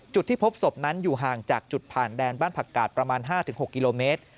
จุดที่พบศพนั้นอยู่ห่างจากจุดผ่านแดนบ้านผักกาดประมาณ๕๖กิโลเมตร